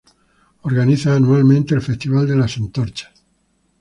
Organizan anualmente el Festival de las Antorchas.